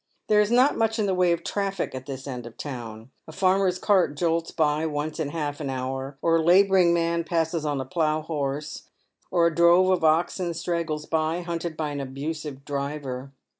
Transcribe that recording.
There is not much in the way of traffic at this end of the town. A farmer's cart jolts by once in half an hour, or a labouring man passes on a plough horse, or a drove of oxen straggles by, hunted by an abusive driver.